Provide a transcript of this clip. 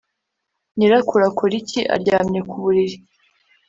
nyirakuru akora iki? aryamye ku buriri